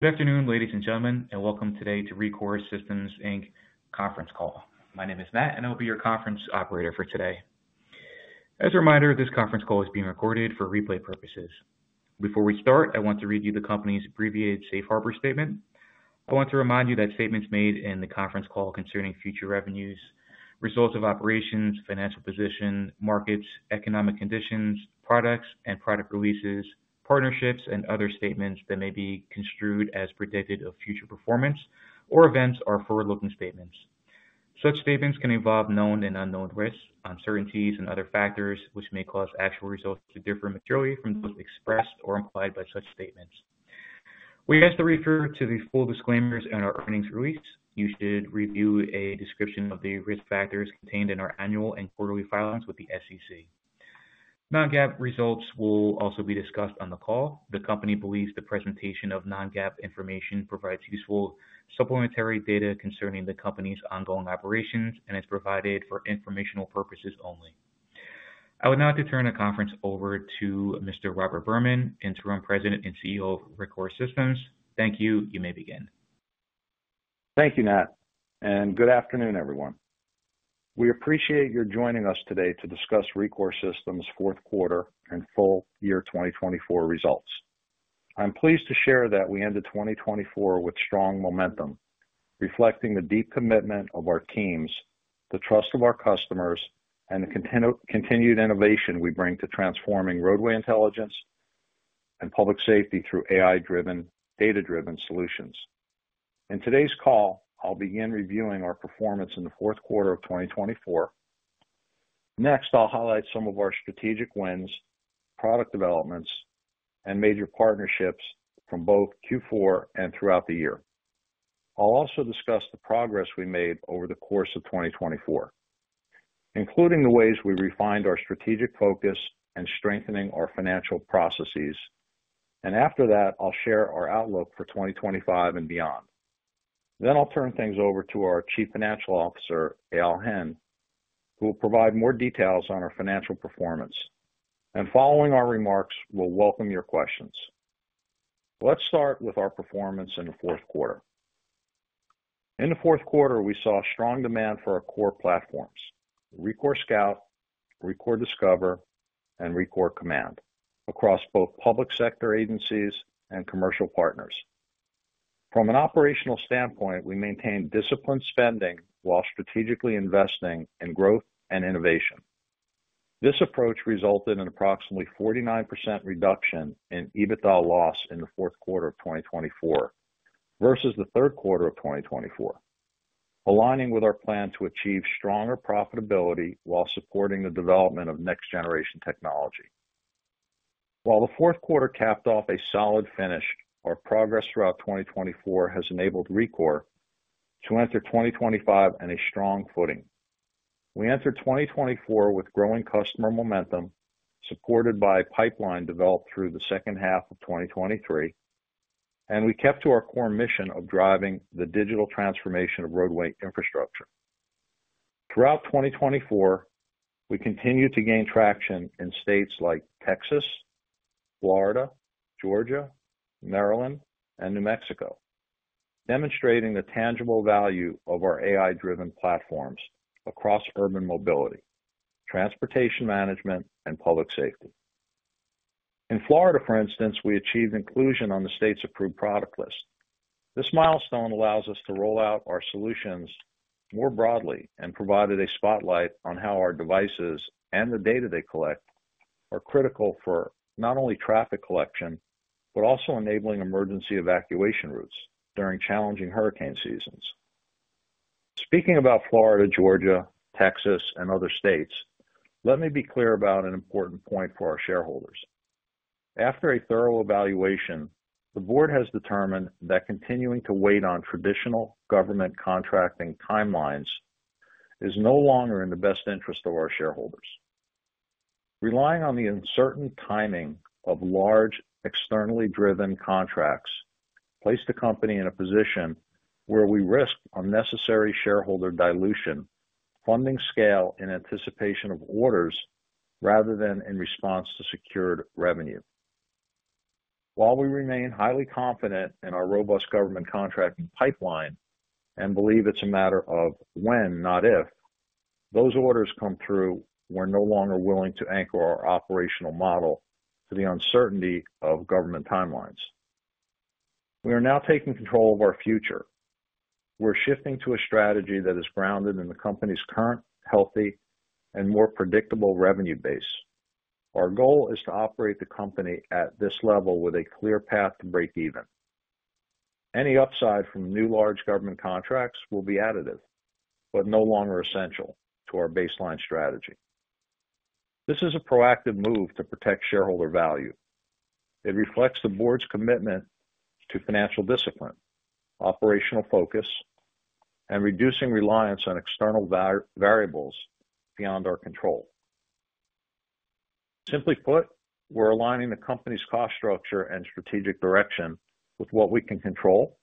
Good afternoon, ladies and gentlemen, and welcome today to Rekor Systems conference call. My name is Matt, and I will be your conference operator for today. As a reminder, this conference call is being recorded for replay purposes. Before we start, I want to read you the company's abbreviated Safe Harbor statement. I want to remind you that statements made in the conference call concerning future revenues, results of operations, financial position, markets, economic conditions, products and product releases, partnerships, and other statements that may be construed as predictive of future performance or events are forward-looking statements. Such statements can involve known and unknown risks, uncertainties, and other factors which may cause actual results to differ materially from those expressed or implied by such statements. We ask to refer to the full disclaimers in our earnings release. You should review a description of the risk factors contained in our annual and quarterly filings with the SEC. Non-GAAP results will also be discussed on the call. The company believes the presentation of non-GAAP information provides useful supplementary data concerning the company's ongoing operations and is provided for informational purposes only. I would now turn the conference over to Mr. Robert Berman, Interim President and CEO of Rekor Systems. Thank you. You may begin. Thank you, Matt. And good afternoon, everyone. We appreciate your joining us today to discuss Rekor Systems' fourth quarter and full year 2024 results. I'm pleased to share that we ended 2024 with strong momentum, reflecting the deep commitment of our teams, the trust of our customers, and the continued innovation we bring to transforming roadway intelligence and public safety through AI-driven, data-driven solutions. In today's call, I'll begin reviewing our performance in the fourth quarter of 2024. Next, I'll highlight some of our strategic wins, product developments, and major partnerships from both Q4 and throughout the year. I'll also discuss the progress we made over the course of 2024, including the ways we refined our strategic focus and strengthened our financial processes. After that, I'll share our outlook for 2025 and beyond. I will turn things over to our Chief Financial Officer, Eyal Hen, who will provide more details on our financial performance. Following our remarks, we will welcome your questions. Let's start with our performance in the fourth quarter. In the fourth quarter, we saw strong demand for our core platforms: Rekor Scout, Rekor Discover, and Rekor Command across both public sector agencies and commercial partners. From an operational standpoint, we maintained disciplined spending while strategically investing in growth and innovation. This approach resulted in an approximately 49% reduction in EBITDA loss in the fourth quarter of 2024 versus the third quarter of 2024, aligning with our plan to achieve stronger profitability while supporting the development of next-generation technology. While the fourth quarter capped off a solid finish, our progress throughout 2024 has enabled Rekor to enter 2025 on a strong footing. We entered 2024 with growing customer momentum, supported by a pipeline developed through the second half of 2023, and we kept to our core mission of driving the digital transformation of roadway infrastructure. Throughout 2024, we continued to gain traction in states like Texas, Florida, Georgia, Maryland, and New Mexico, demonstrating the tangible value of our AI-driven platforms across urban mobility, transportation management, and public safety. In Florida, for instance, we achieved inclusion on the state's approved product list. This milestone allows us to roll out our solutions more broadly and provided a spotlight on how our devices and the data they collect are critical for not only traffic collection but also enabling emergency evacuation routes during challenging hurricane seasons. Speaking about Florida, Georgia, Texas, and other states, let me be clear about an important point for our shareholders. After a thorough evaluation, the board has determined that continuing to wait on traditional government contracting timelines is no longer in the best interest of our shareholders. Relying on the uncertain timing of large externally driven contracts placed the company in a position where we risk unnecessary shareholder dilution, funding scale in anticipation of orders rather than in response to secured revenue. While we remain highly confident in our robust government contracting pipeline and believe it's a matter of when, not if, those orders come through, we're no longer willing to anchor our operational model to the uncertainty of government timelines. We are now taking control of our future. We're shifting to a strategy that is grounded in the company's current, healthy, and more predictable revenue base. Our goal is to operate the company at this level with a clear path to breakeven. Any upside from new large government contracts will be additive but no longer essential to our baseline strategy. This is a proactive move to protect shareholder value. It reflects the board's commitment to financial discipline, operational focus, and reducing reliance on external variables beyond our control. Simply put, we're aligning the company's cost structure and strategic direction with what we can control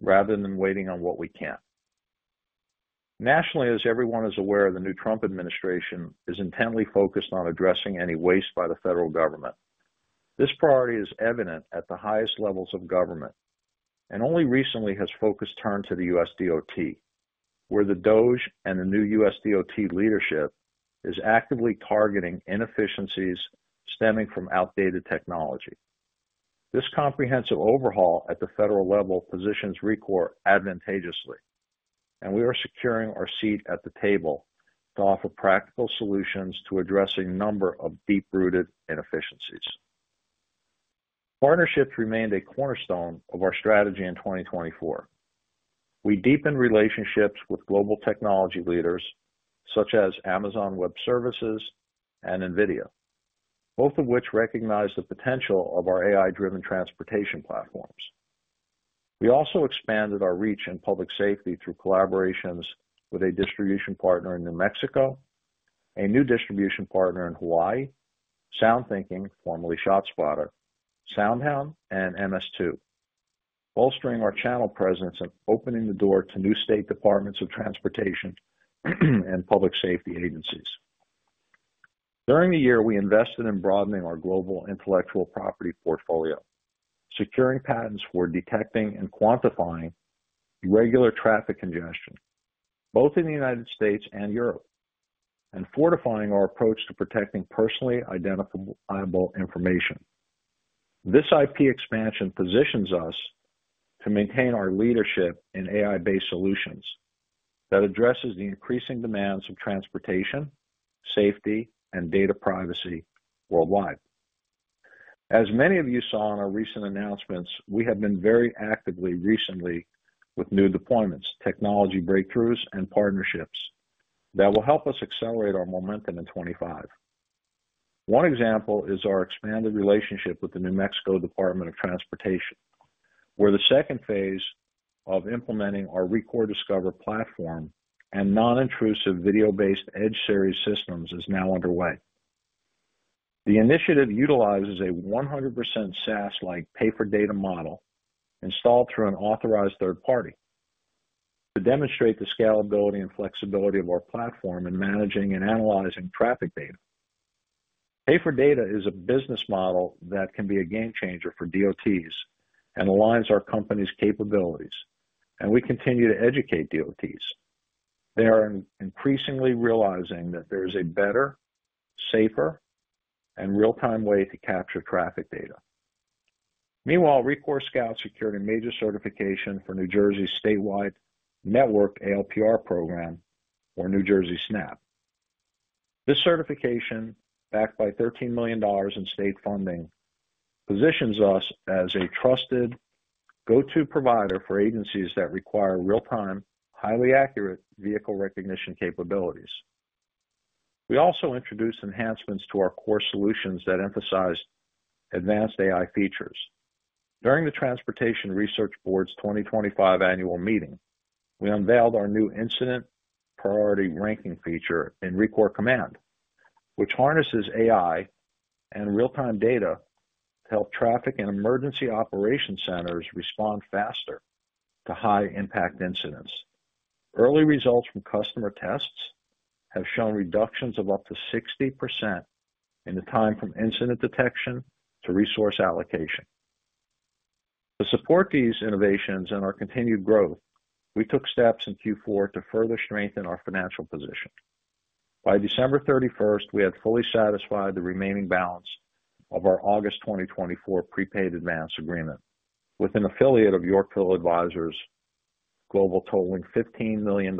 rather than waiting on what we can't. Nationally, as everyone is aware, the new Trump administration is intently focused on addressing any waste by the federal government. This priority is evident at the highest levels of government and only recently has focus turned to the U.S. DOT, where the DOT and the new U.S. DOT leadership is actively targeting inefficiencies stemming from outdated technology. This comprehensive overhaul at the federal level positions Rekor advantageously, and we are securing our seat at the table to offer practical solutions to address a number of deep-rooted inefficiencies. Partnerships remained a cornerstone of our strategy in 2024. We deepened relationships with global technology leaders such as Amazon Web Services and NVIDIA, both of which recognize the potential of our AI-driven transportation platforms. We also expanded our reach in public safety through collaborations with a distribution partner in New Mexico, a new distribution partner in Hawaii, SoundThinking, formerly ShotSpotter, SoundHound, and MS2, bolstering our channel presence and opening the door to new state departments of transportation and public safety agencies. During the year, we invested in broadening our global intellectual property portfolio, securing patents for detecting and quantifying regular traffic congestion, both in the United States and Europe, and fortifying our approach to protecting personally identifiable information. This IP expansion positions us to maintain our leadership in AI-based solutions that addresses the increasing demands of transportation, safety, and data privacy worldwide. As many of you saw in our recent announcements, we have been very active recently with new deployments, technology breakthroughs, and partnerships that will help us accelerate our momentum in 2025. One example is our expanded relationship with the New Mexico Department of Transportation, where the second phase of implementing our Rekor Discover platform and non-intrusive video-based Edge Series systems is now underway. The initiative utilizes a 100% SaaS-like pay-for-data model installed through an authorized third party to demonstrate the scalability and flexibility of our platform in managing and analyzing traffic data. Pay-for-data is a business model that can be a game changer for DOTs and aligns our company's capabilities, and we continue to educate DOTs. They are increasingly realizing that there is a better, safer, and real-time way to capture traffic data. Meanwhile, Rekor Scout secured a major certification for New Jersey's statewide network ALPR program, or New Jersey SNAP. This certification, backed by $13 million in state funding, positions us as a trusted go-to provider for agencies that require real-time, highly accurate vehicle recognition capabilities. We also introduced enhancements to our core solutions that emphasize advanced AI features. During the Transportation Research Board's 2025 annual meeting, we unveiled our new Incident Priority Ranking feature in Rekor Command, which harnesses AI and real-time data to help traffic and emergency operations centers respond faster to high-impact incidents. Early results from customer tests have shown reductions of up to 60% in the time from incident detection to resource allocation. To support these innovations and our continued growth, we took steps in Q4 to further strengthen our financial position. By December 31, we had fully satisfied the remaining balance of our August 2024 prepaid advance agreement with an affiliate of Yorkville Advisors, totaling $15 million.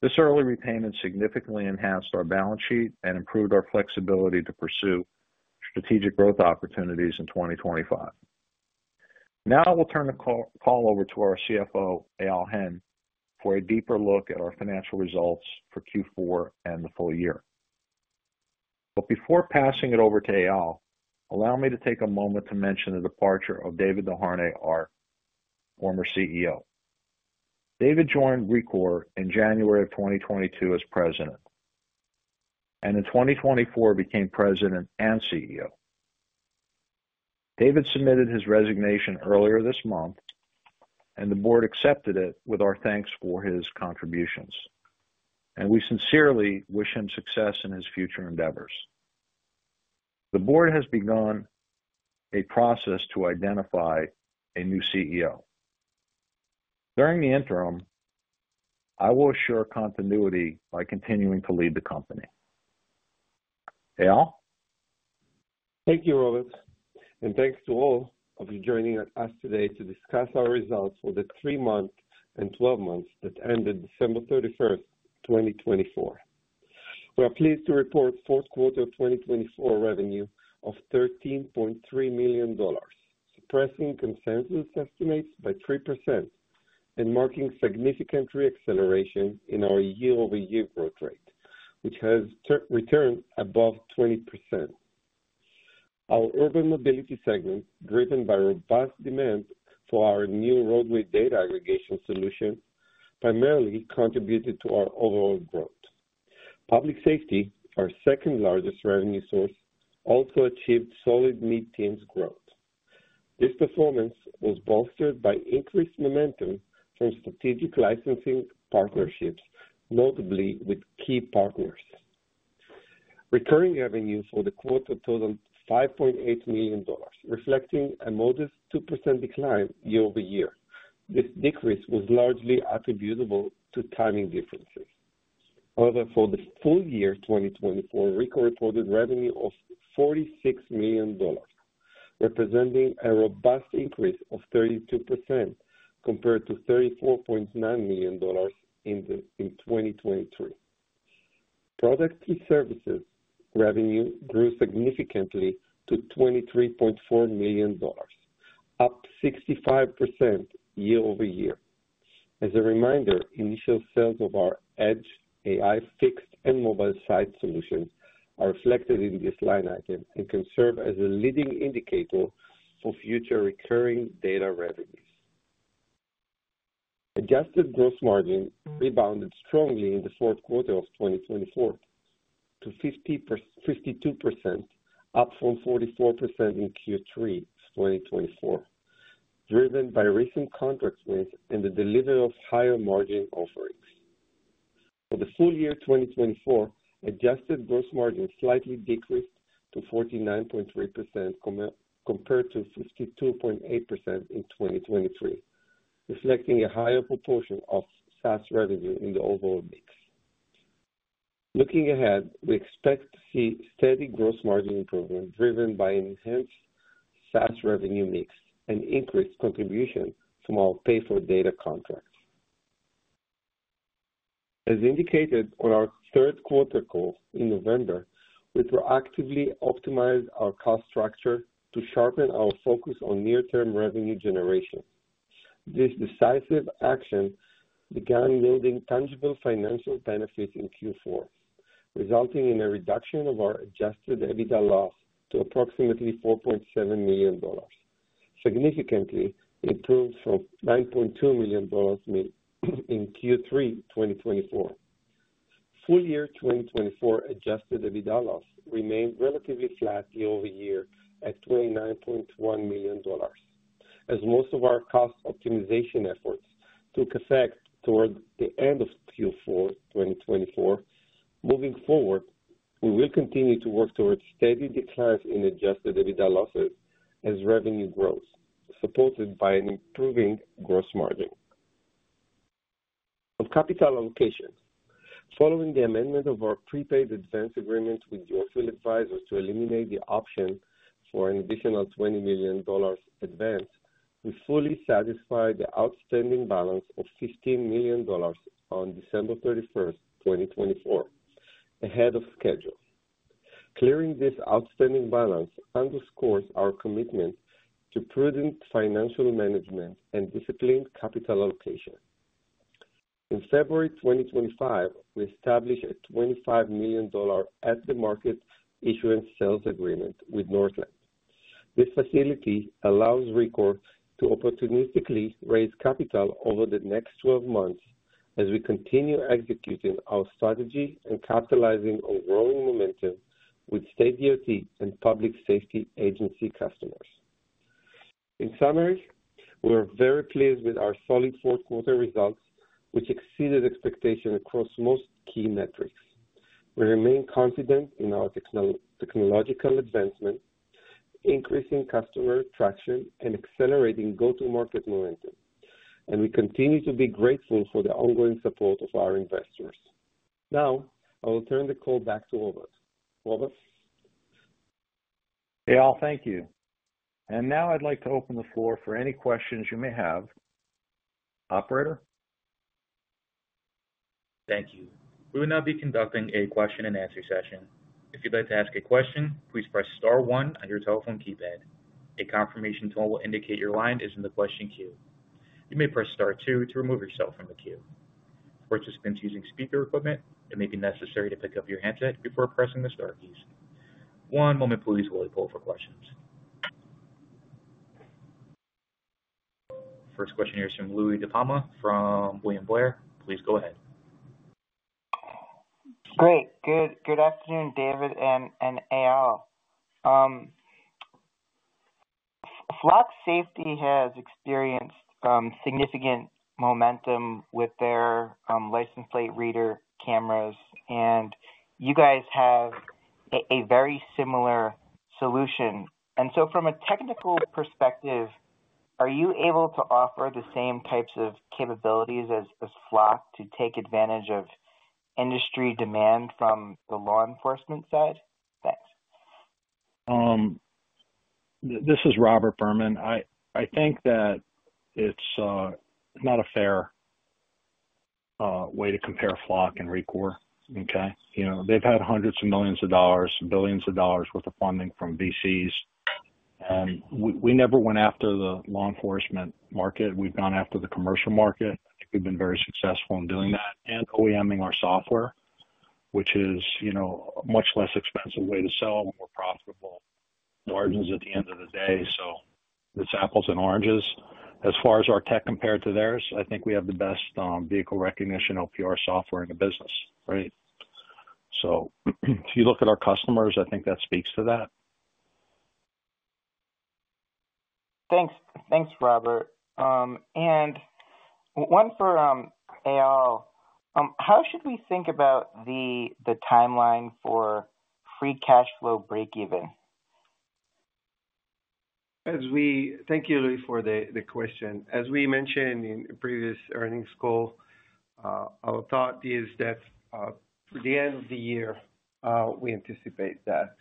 This early repayment significantly enhanced our balance sheet and improved our flexibility to pursue strategic growth opportunities in 2025. Now I will turn the call over to our CFO, Eyal Hen, for a deeper look at our financial results for Q4 and the full year. Before passing it over to Eyal, allow me to take a moment to mention the departure of David Desharnais, our former CEO. David joined Rekor in January of 2022 as president and in 2024 became president and CEO. David submitted his resignation earlier this month, and the board accepted it with our thanks for his contributions. We sincerely wish him success in his future endeavors. The board has begun a process to identify a new CEO. During the interim, I will assure continuity by continuing to lead the company. Eyal? Thank you, Robert. Thank you to all of you joining us today to discuss our results for the three months and 12 months that ended December 31, 2024. We are pleased to report fourth quarter 2024 revenue of $13.3 million, surpassing consensus estimates by 3% and marking significant reacceleration in our year-over-year growth rate, which has returned above 20%. Our urban mobility segment, driven by robust demand for our new roadway data aggregation solution, primarily contributed to our overall growth. Public safety, our second largest revenue source, also achieved solid mid-teens growth. This performance was bolstered by increased momentum from strategic licensing partnerships, notably with key partners. Recurring revenue for the quarter totaled $5.8 million, reflecting a modest 2% decline year-over-year. This decrease was largely attributable to timing differences. However, for the full year, 2024, Rekor reported revenue of $46 million, representing a robust increase of 32% compared to $34.9 million in 2023. Product and services revenue grew significantly to $23.4 million, up 65% year-over-year. As a reminder, initial sales of our edge AI, fixed, and mobile site solutions are reflected in this line item and can serve as a leading indicator for future recurring data revenues. Adjusted gross margin rebounded strongly in the fourth quarter of 2024 to 52%, up from 44% in Q3 of 2024, driven by recent contract wins and the delivery of higher margin offerings. For the full year 2024, adjusted gross margin slightly decreased to 49.3% compared to 52.8% in 2023, reflecting a higher proportion of SaaS revenue in the overall mix. Looking ahead, we expect to see steady gross margin improvement driven by enhanced SaaS revenue mix and increased contribution from our pay-for-data contracts. As indicated on our third quarter call in November, we proactively optimized our cost structure to sharpen our focus on near-term revenue generation. This decisive action began yielding tangible financial benefits in Q4, resulting in a reduction of our adjusted EBITDA loss to approximately $4.7 million, significantly improved from $9.2 million in Q3 2024. Full year 2024 adjusted EBITDA loss remained relatively flat year-over-year at $29.1 million. As most of our cost optimization efforts took effect toward the end of Q4 2024, moving forward, we will continue to work toward steady declines in adjusted EBITDA losses as revenue grows, supported by an improving gross margin. On capital allocation, following the amendment of our prepaid advance agreement with Yorkville Advisors to eliminate the option for an additional $20 million advance, we fully satisfied the outstanding balance of $15 million on December 31, 2024, ahead of schedule. Clearing this outstanding balance underscores our commitment to prudent financial management and disciplined capital allocation. In February 2025, we established a $25 million at-the-market issuance sales agreement with Northland. This facility allows Rekor to opportunistically raise capital over the next 12 months as we continue executing our strategy and capitalizing on growing momentum with state DOT and public safety agency customers. In summary, we are very pleased with our solid fourth quarter results, which exceeded expectations across most key metrics. We remain confident in our technological advancement, increasing customer traction, and accelerating go-to-market momentum. We continue to be grateful for the ongoing support of our investors. Now, I will turn the call back to Robert. Robert? Eyal, thank you. Now I'd like to open the floor for any questions you may have. Operator? Thank you. We will now be conducting a question-and-answer session. If you'd like to ask a question, please press star one on your telephone keypad. A confirmation tone will indicate your line is in the question queue. You may press star two to remove yourself from the queue. For participants using speaker equipment, it may be necessary to pick up your handset before pressing the star keys. One moment, please, while we pull up for questions. First question here is from Louie DiPalma from William Blair. Please go ahead. Great. Good afternoon, David and Eyal. Flock Safety has experienced significant momentum with their license plate reader cameras, and you guys have a very similar solution. From a technical perspective, are you able to offer the same types of capabilities as Flock to take advantage of industry demand from the law enforcement side? Thanks. This is Robert Berman. I think that it's not a fair way to compare Flock and Rekor. Okay? They've had hundreds of millions of dollars, billions of dollars' worth of funding from VCs. And we never went after the law enforcement market. We've gone after the commercial market. I think we've been very successful in doing that and OEMing our software, which is a much less expensive way to sell and more profitable margins at the end of the day. It's apples and oranges. As far as our tech compared to theirs, I think we have the best vehicle recognition LPR software in the business, right? If you look at our customers, I think that speaks to that. Thanks, Robert. One for Eyal, how should we think about the timeline for free cash flow break-even? Thank you, Louis, for the question. As we mentioned in previous earnings call, our thought is that for the end of the year, we anticipate that.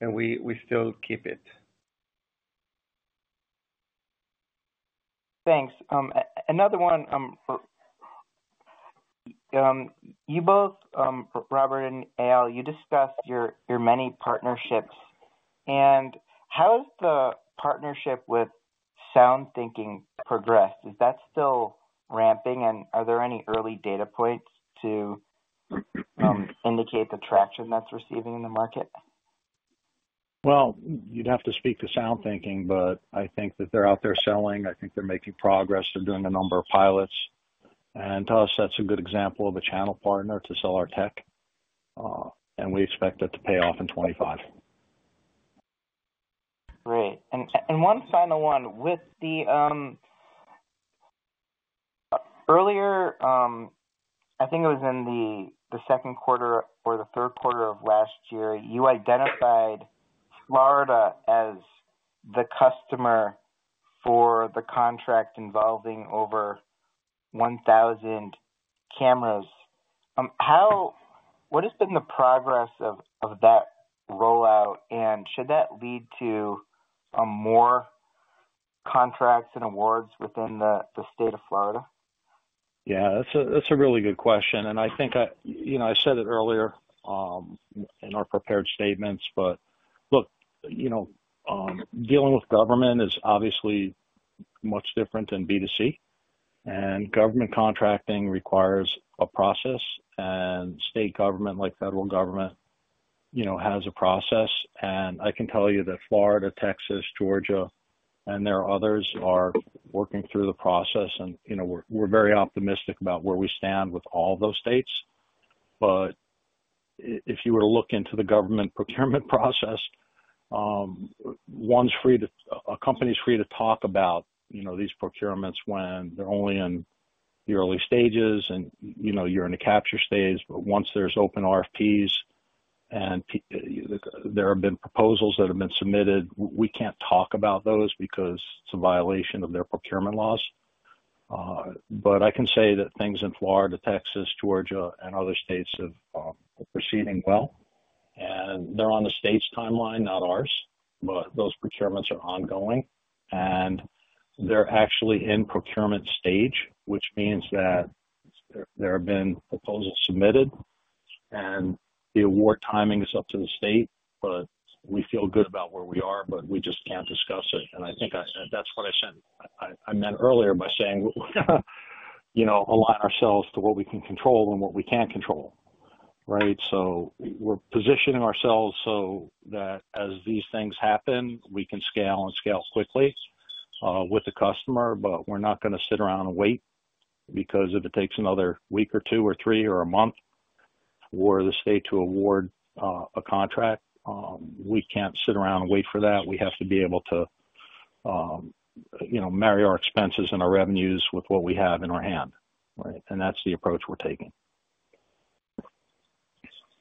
We still keep it. Thanks. Another one. You both, Robert and Eyal, you discussed your many partnerships. How has the partnership with SoundThinking progressed? Is that still ramping? Are there any early data points to indicate the traction that's receiving in the market? You'd have to speak to SoundThinking, but I think that they're out there selling. I think they're making progress. They're doing a number of pilots. To us, that's a good example of a channel partner to sell our tech. We expect that to pay off in 2025. Great. One final one. Earlier, I think it was in the second quarter or the third quarter of last year, you identified Florida as the customer for the contract involving over 1,000 cameras. What has been the progress of that rollout? Should that lead to more contracts and awards within the state of Florida? Yeah, that's a really good question. I think I said it earlier in our prepared statements, but look, dealing with government is obviously much different than B2C. Government contracting requires a process. State government, like federal government, has a process. I can tell you that Florida, Texas, Georgia, and there are others are working through the process. We're very optimistic about where we stand with all those states. If you were to look into the government procurement process, a company is free to talk about these procurements when they're only in the early stages and you're in the capture stage. Once there's open RFPs and there have been proposals that have been submitted, we can't talk about those because it's a violation of their procurement laws. I can say that things in Florida, Texas, Georgia, and other states are proceeding well. They are on the state's timeline, not ours. Those procurements are ongoing. They are actually in procurement stage, which means that there have been proposals submitted. The award timing is up to the state. We feel good about where we are, but we just cannot discuss it. I think that is what I meant earlier by saying align ourselves to what we can control and what we cannot control, right? We are positioning ourselves so that as these things happen, we can scale and scale quickly with the customer. We are not going to sit around and wait because if it takes another week or two or three or a month for the state to award a contract, we cannot sit around and wait for that. We have to be able to marry our expenses and our revenues with what we have in our hand, right? That is the approach we're taking.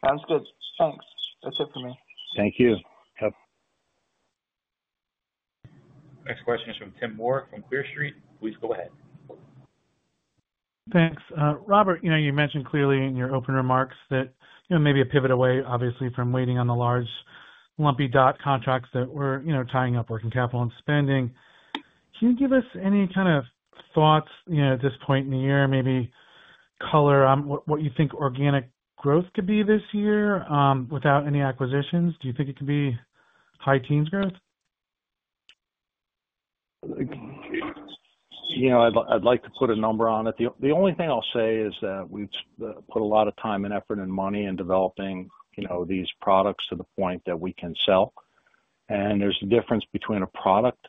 Sounds good. Thanks. That's it for me. Thank you. Yep. Next question is from Tim Moore from Clear Street. Please go ahead. Thanks. Robert, you mentioned clearly in your open remarks that maybe a pivot away, obviously, from waiting on the large lumpy DOT contracts that were tying up working capital and spending. Can you give us any kind of thoughts at this point in the year, maybe color on what you think organic growth could be this year without any acquisitions? Do you think it could be high teens growth? I'd like to put a number on it. The only thing I'll say is that we've put a lot of time and effort and money in developing these products to the point that we can sell. There's a difference between a product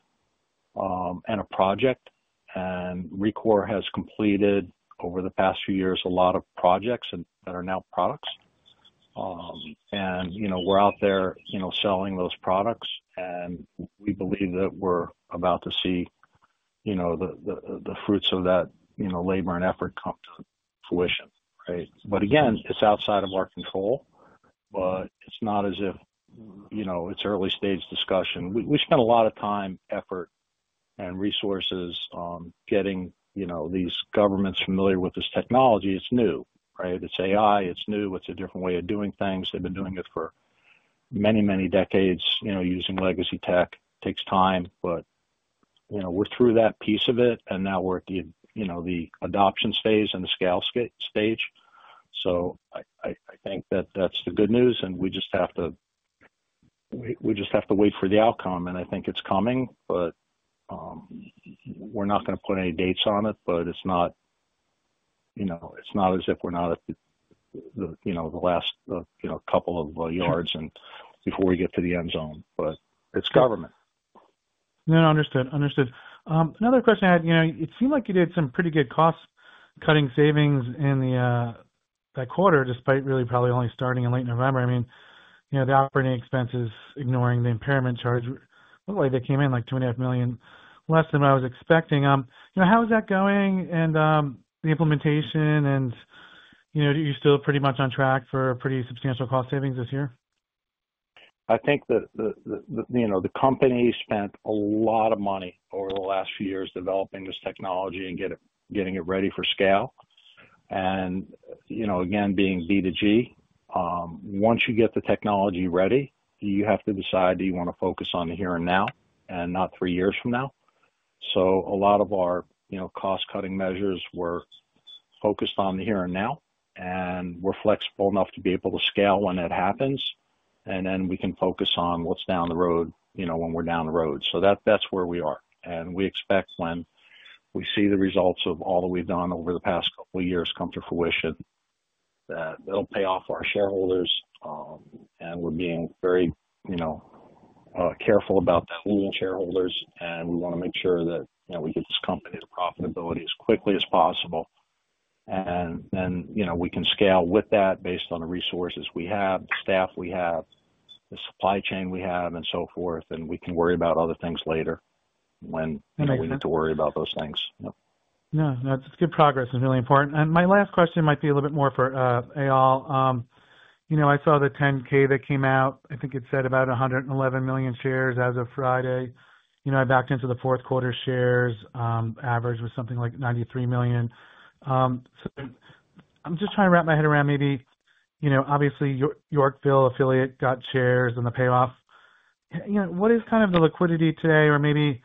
and a project. Rekor has completed over the past few years a lot of projects that are now products. We're out there selling those products. We believe that we're about to see the fruits of that labor and effort come to fruition, right? Again, it's outside of our control. It's not as if it's early stage discussion. We spend a lot of time, effort, and resources getting these governments familiar with this technology. It's new, right? It's AI. It's new. It's a different way of doing things. They've been doing it for many, many decades using legacy tech. It takes time. We're through that piece of it. Now we're at the adoption stage and the scale stage. I think that that's the good news. We just have to wait for the outcome. I think it's coming. We're not going to put any dates on it. It's not as if we're not at the last couple of yards before we get to the end zone. It's government. No, no. Understood. Understood. Another question I had. It seemed like you did some pretty good cost-cutting savings in that quarter despite really probably only starting in late November. I mean, the operating expenses ignoring the impairment charge, luckily they came in like $2.5 million less than I was expecting. How is that going? The implementation? Are you still pretty much on track for pretty substantial cost savings this year? I think that the company spent a lot of money over the last few years developing this technology and getting it ready for scale. Being B2G, once you get the technology ready, you have to decide do you want to focus on the here and now and not three years from now. A lot of our cost-cutting measures were focused on the here and now. We are flexible enough to be able to scale when it happens. We can focus on what's down the road when we're down the road. That's where we are. We expect when we see the results of all that we've done over the past couple of years come to fruition that it'll pay off our shareholders. We are being very careful about that with shareholders. We want to make sure that we get this company to profitability as quickly as possible. Then we can scale with that based on the resources we have, the staff we have, the supply chain we have, and so forth. We can worry about other things later when we need to worry about those things. No, no. That's good progress. It's really important. My last question might be a little bit more for Eyal. I saw the 10-K that came out. I think it said about 111 million shares as of Friday. I backed into the fourth quarter shares average was something like 93 million. I'm just trying to wrap my head around maybe obviously Yorkville affiliate got shares and the payoff. What is kind of the liquidity today? Or maybe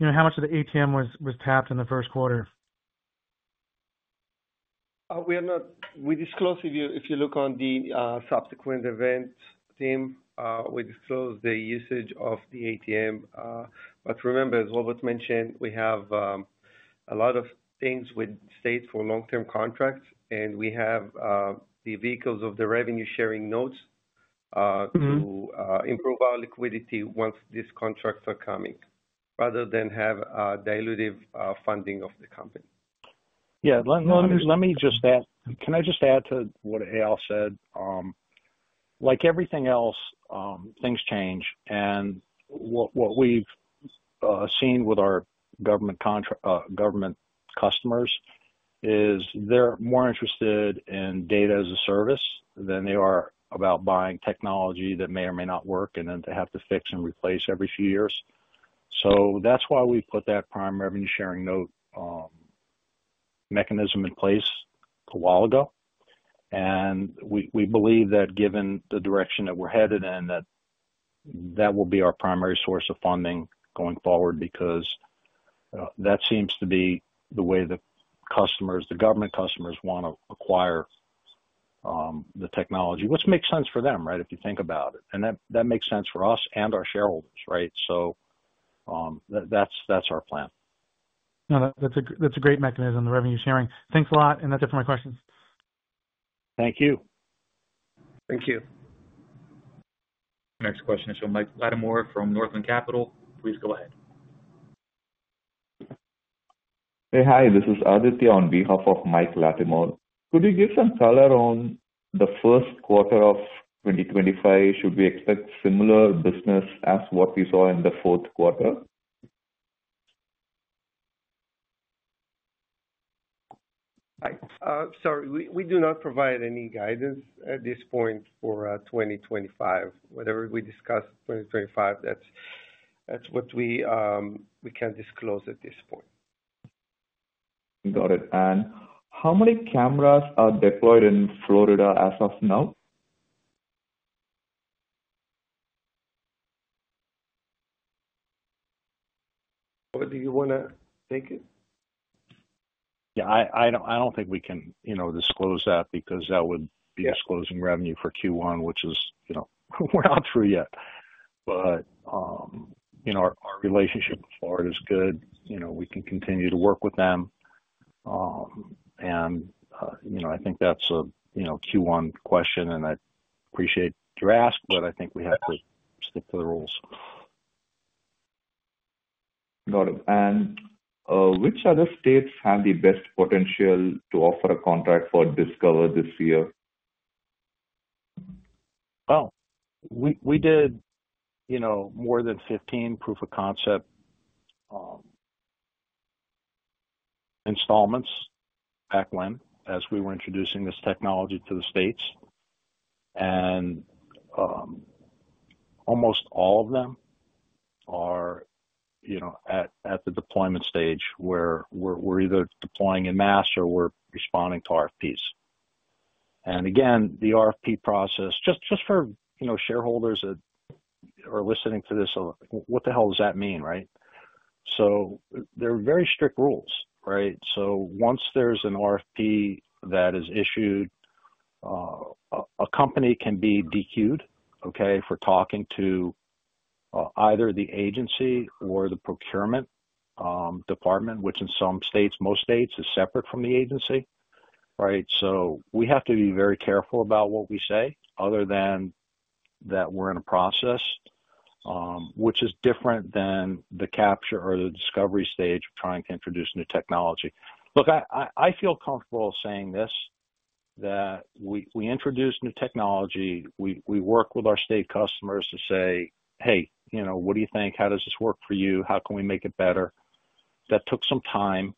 how much of the ATM was tapped in the first quarter? We disclose, if you look on the subsequent event team, we disclose the usage of the ATM. Remember, as Robert mentioned, we have a lot of things with states for long-term contracts. We have the vehicles of the Revenue Sharing Notes to improve our liquidity once these contracts are coming rather than have dilutive funding of the company. Yeah. Let me just add, can I just add to what Eyal said? Like everything else, things change. What we've seen with our government customers is they're more interested in data as a service than they are about buying technology that may or may not work and then they have to fix and replace every few years. That is why we put that prime Revenue Sharing Note mechanism in place a while ago. We believe that given the direction that we're headed in, that that will be our primary source of funding going forward because that seems to be the way the government customers want to acquire the technology, which makes sense for them, right, if you think about it. That makes sense for us and our shareholders, right? That is our plan. No, that's a great mechanism, the Revenue Sharing. Thanks a lot. That's it for my questions. Thank you. Thank you. Next question is from Mike Latimore from Northland Capital. Please go ahead. Hey, hi. This is Aditi on behalf of Mike Latimore. Could you give some color on the first quarter of 2025? Should we expect similar business as what we saw in the fourth quarter? Sorry. We do not provide any guidance at this point for 2025. Whatever we discuss 2025, that's what we can disclose at this point. Got it. How many cameras are deployed in Florida as of now? Robert, do you want to take it? Yeah. I don't think we can disclose that because that would be disclosing revenue for Q1, which is we're not through yet. Our relationship with Florida is good. We can continue to work with them. I think that's a Q1 question. I appreciate your ask, but I think we have to stick to the rules. Got it. Which other states have the best potential to offer a contract for Discover this year? We did more than 15 proof of concept installments back when as we were introducing this technology to the states. Almost all of them are at the deployment stage where we're either deploying en masse or we're responding to RFPs. The RFP process, just for shareholders that are listening to this, what the hell does that mean, right? There are very strict rules, right? Once there's an RFP that is issued, a company can be DQ'd, okay, for talking to either the agency or the procurement department, which in some states, most states, is separate from the agency, right? We have to be very careful about what we say other than that we're in a process, which is different than the capture or the discovery stage of trying to introduce new technology. Look, I feel comfortable saying this that we introduced new technology. We worked with our state customers to say, "Hey, what do you think? How does this work for you? How can we make it better?" That took some time.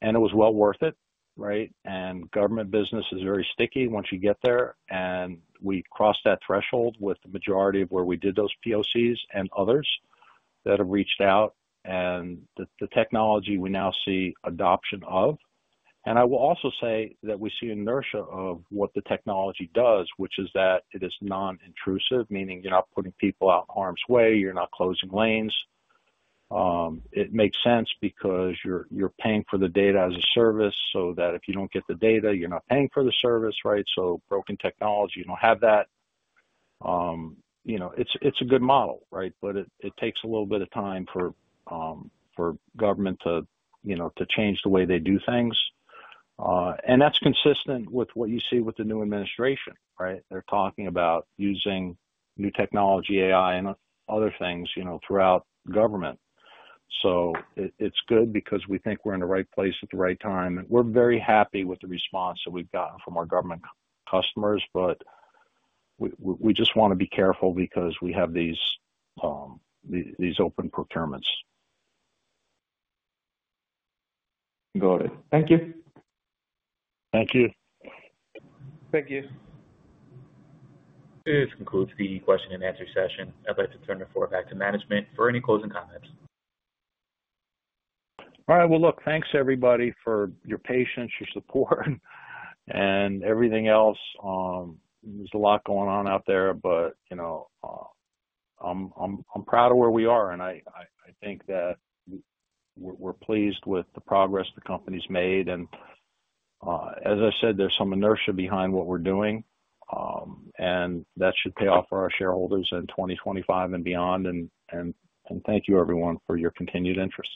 It was well worth it, right? Government business is very sticky once you get there. We crossed that threshold with the majority of where we did those POCs and others that have reached out. The technology we now see adoption of. I will also say that we see inertia of what the technology does, which is that it is non-intrusive, meaning you're not putting people out in harm's way. You're not closing lanes. It makes sense because you're paying for the data as a service so that if you don't get the data, you're not paying for the service, right? Broken technology, you don't have that. It's a good model, right? It takes a little bit of time for government to change the way they do things. That is consistent with what you see with the new administration, right? They are talking about using new technology, AI, and other things throughout government. It is good because we think we are in the right place at the right time. We are very happy with the response that we have gotten from our government customers. We just want to be careful because we have these open procurements. Got it. Thank you. Thank you. Thank you. This concludes the question-and-answer session. I'd like to turn the floor back to management for any closing comments. All right. Look, thanks everybody for your patience, your support, and everything else. There's a lot going on out there. I am proud of where we are. I think that we're pleased with the progress the company's made. As I said, there's some inertia behind what we're doing. That should pay off for our shareholders in 2025 and beyond. Thank you, everyone, for your continued interest.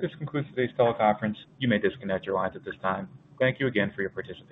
This concludes today's teleconference. You may disconnect your lines at this time. Thank you again for your participation.